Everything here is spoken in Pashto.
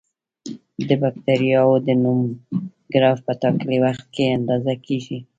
د بکټریاوو د نمو ګراف په ټاکلي وخت کې اندازه کیږي.